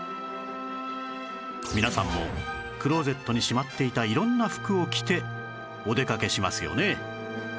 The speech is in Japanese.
皆さんもクローゼットにしまっていた色んな服を着てお出かけしますよね